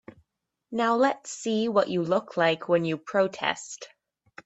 Now let's see what you look like when you protest.